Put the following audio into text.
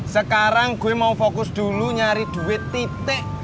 sekarang gue mau fokus dulu nyari duit titik